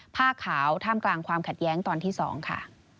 ผ้าขาวท่ามกลางความขัดแย้งตอนที่๒ค่ะ